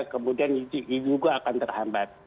kemudian juga akan terhambat